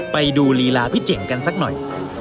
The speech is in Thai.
ไปดูลีลาพี่เจ๋งกันสักหน่อย